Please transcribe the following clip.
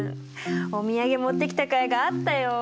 お土産持ってきたかいがあったよ！